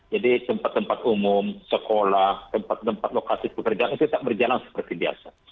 jadi tempat tempat umum sekolah tempat tempat lokasi pekerjaan tetap berjalan seperti biasa